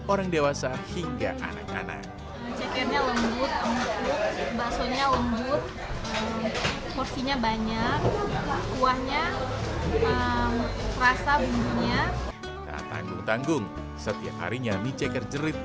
orang di sini yang penasarannya sama indomie kuah jerit